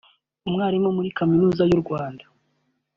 Umwalimu muri kaminuza y’u Rwanda